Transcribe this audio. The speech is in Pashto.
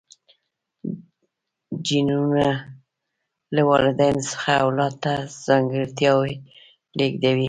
جینونه له والدینو څخه اولاد ته ځانګړتیاوې لیږدوي